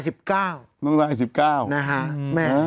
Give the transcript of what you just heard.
ส่วนน้องทราย๑๙นะครับ